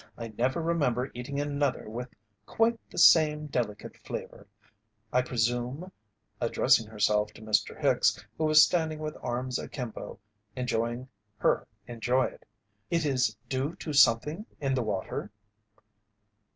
I never remember eating another with quite the same delicate flavour. I presume," addressing herself to Mr. Hicks, who was standing with arms akimbo enjoying her enjoy it, "it is due to something in the water?"